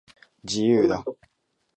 自由だ